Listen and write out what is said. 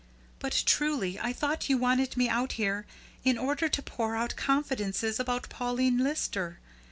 But truly I thought you wanted me out here in order to pour out confidences about Pauline Lister.